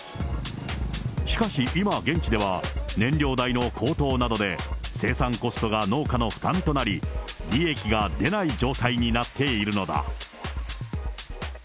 しかし、今、現地では、燃料代の高騰などで生産コストが農家の負担となり、利益が出ない状態になっているのだ。